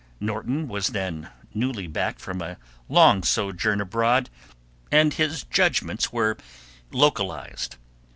Norton was then newly back from a long sojourn abroad, and his judgments were delocalized.